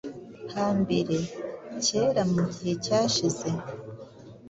Hambere: kera, mu gihe cyashize.